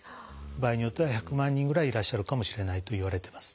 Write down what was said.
場合によっては１００万人ぐらいいらっしゃるかもしれないといわれてます。